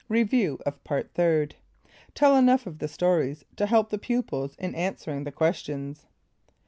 Review of Part Third. (Tell enough of the stories to help the pupils in answering the questions.)